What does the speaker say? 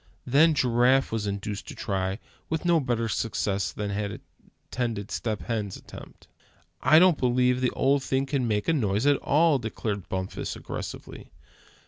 Then Giraffe was induced to try, and with no better success than had attended Step Hen's attempt. "I don't believe the old thing can make a noise at all!" declared Bumpus, aggressively.